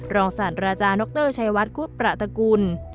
รองศาสตร์ราชาน็อกเตอร์ชัยวัสคุพประตะกุล